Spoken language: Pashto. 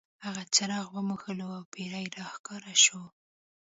هغه څراغ وموښلو او پیری را ښکاره شو.